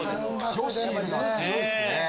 女子は強いっすね。